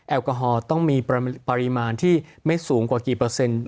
แอลกอฮอล์ต้องมีปริมาณที่ไม่สูงกว่ากี่เปอร์เซ็นต์